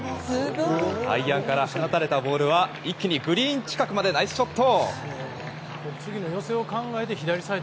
アイアンから放たれたボールは一気にグリーン近くまでナイスショット！